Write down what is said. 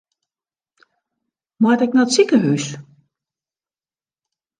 Moat ik nei it sikehús?